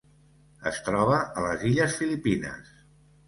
Es troba a les illes Filipines: